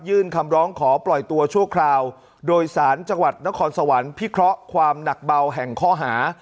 คำร้องขอปล่อยตัวชั่วคราวโดยสารจังหวัดนครสวรรค์พิเคราะห์ความหนักเบาแห่งข้อหา